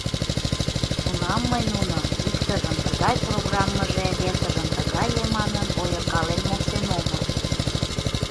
Тунам мый нуным, иктыжын тыгай программыже, весыжын тыгае манын, ойыркален моштен омыл.